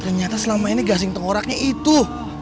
ternyata selama ini gasing tengoraknya itu